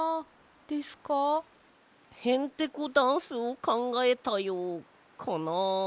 へんてこダンスをかんがえたよかなあ？